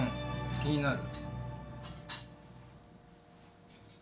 気になる。